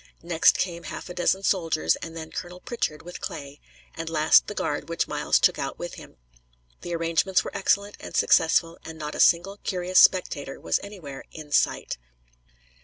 Next came half a dozen soldiers, and then Colonel Pritchard with Clay, and last the guard which Miles took out with him. The arrangements were excellent and successful, and not a single curious spectator was any where in sight.